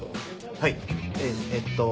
はいええっと。